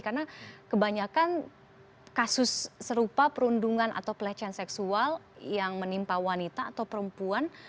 karena kebanyakan kasus serupa perundungan atau pelecehan seksual yang menimpa wanita atau perempuan